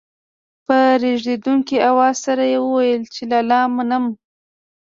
په رېږېدونکي اواز سره يې وويل چې لالا منم.